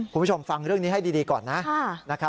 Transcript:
คุณผู้ชมฟังเรื่องนี้ให้ดีก่อนนะ